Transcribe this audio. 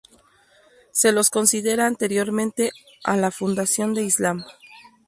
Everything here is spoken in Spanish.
Se los considera anteriores a la fundación del islam.